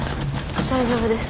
大丈夫です。